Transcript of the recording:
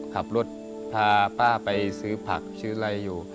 ขับรถพาป้าไปซื้อผักซื้ออะไรอยู่